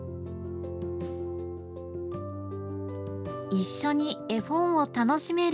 「一緒に絵本を楽しめる」。